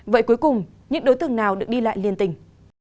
vậy cuối cùng những đối tượng nào được đi lại liên tình